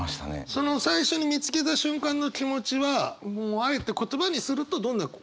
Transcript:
その最初に見つけた瞬間の気持ちはもうあえて言葉にするとどんな感じだったんですか？